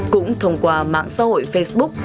cũng thông qua mạng xã hội facebook